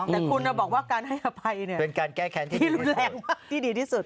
แต่คุณบอกว่าการให้อภัยเป็นการแก้แขนที่รุนแรงที่ดีที่สุด